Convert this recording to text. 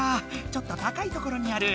ちょっと高いところにある。